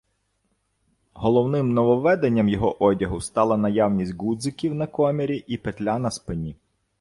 Головним нововведенням його одягу стала наявність ґудзиків на комірі і петля на спині.